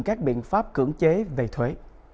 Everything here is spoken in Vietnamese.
các biện pháp cưỡng chế về thuế